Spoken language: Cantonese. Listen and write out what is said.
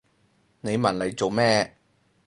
你問嚟做咩？